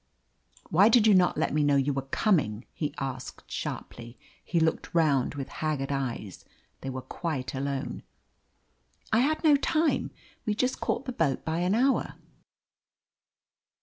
"Why did you not let me know you were coming?" he asked sharply. He looked round with haggard eyes; they were quite alone. "I had no time. We just caught the boat by an hour."